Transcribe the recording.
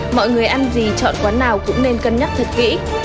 mọi người ăn gì chọn quán nào cũng nên cân nhắc thật kỹ